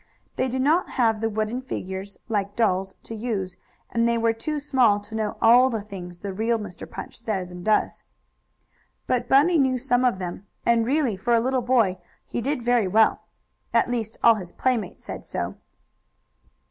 They did not have the wooden figures, like dolls, to use, and they were too small to know all the things the real Mr. Punch says and does. But Bunny knew some of them, and really, for a little boy, he did very well. At least all his playmates said so.